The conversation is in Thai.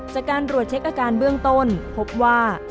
จากการรวดเช็คอาการเบื้องต้นพบว่า